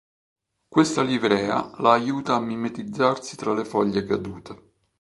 Questa livrea la aiuta a mimetizzarsi tra le foglie cadute.